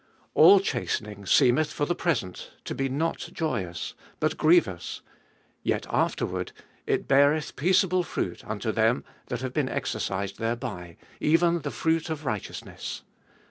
All chastening seemeth for the present to be not joyous, but grievous: yet afterward it beareth peaceable fruit unto them that have been exercised thereby, even the fruit of righteousness.